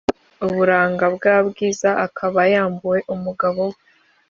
uburanga bwa bwiza akaba yambuwe umugabo we